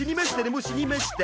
もう死にました。